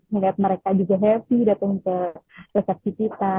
ngelihat mereka juga happy datang ke resepsi kita